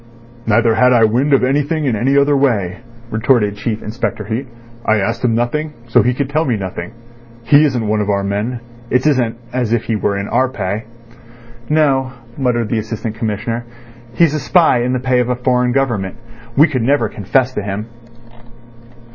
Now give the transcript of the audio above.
"Neither had I wind of anything in any other way," retorted Chief Inspector Heat. "I asked him nothing, so he could tell me nothing. He isn't one of our men. It isn't as if he were in our pay." "No," muttered the Assistant Commissioner. "He's a spy in the pay of a foreign government. We could never confess to him."